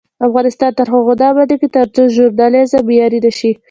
افغانستان تر هغو نه ابادیږي، ترڅو ژورنالیزم معیاري نشي.